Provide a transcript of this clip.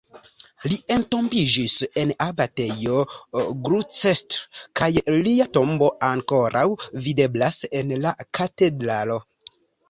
Li entombiĝis en Abatejo Gloucester kaj lia tombo ankoraŭ videblas en la katedralo.